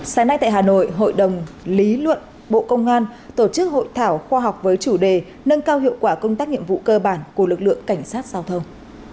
sáng nay tại hà nội hội đồng lý luận bộ công an tổ chức hội thảo khoa học với chủ đề nâng cao hiệu quả công tác nhiệm vụ cơ bản của lực lượng cảnh sát giao thông